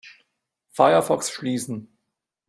Firefox schließen.